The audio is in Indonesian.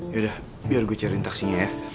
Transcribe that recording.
yaudah biar gue cariin taksinya ya